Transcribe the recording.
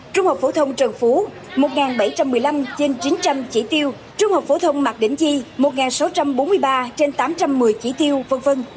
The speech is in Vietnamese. trung học phổ thông trần phú một nghìn bảy trăm một mươi năm trên chín trăm linh chỉ tiêu trung học phổ thông mạc đỉnh chi một sáu trăm bốn mươi ba trên tám trăm một mươi chỉ tiêu v v